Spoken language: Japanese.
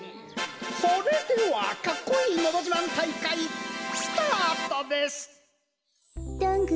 それではかっこいいのどじまん大会スタートです！